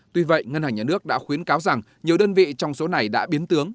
tuy vậy ngân hàng nhà nước đã khuyến cáo rằng nhiều đơn vị trong số này đã biến tướng